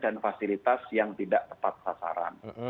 dan fasilitas yang tidak tepat sasaran